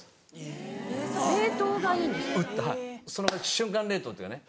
瞬間冷凍っていうね